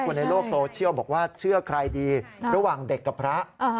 คนในโลกโซเชียลบอกว่าเชื่อใครดีระหว่างเด็กกับพระ